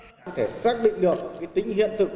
chúng ta có thể xác định được tính hiện thực